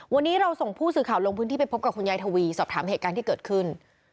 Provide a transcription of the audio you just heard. วันนี้เราส่งผู้สื่อข่าวลงพื้นที่ไปพบกับคุณยายทวีสอบถามเหตุการณ์ที่เกิดขึ้น